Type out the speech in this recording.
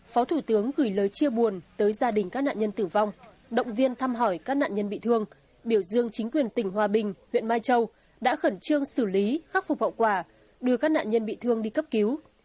phó thủ tướng gửi lời chia buồn tới gia đình các nạn nhân tử vong động viên thăm hỏi các nạn nhân bị thương biểu dương chính quyền tỉnh hòa bình huyện mai châu đã khẩn trương xử lý khắc phục hậu quả đưa các nạn nhân bị thương đi cấp cứu